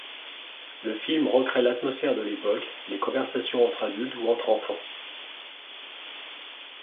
Le film recrée l'atmosphère de l'époque, les conversations entre adultes ou entre enfants...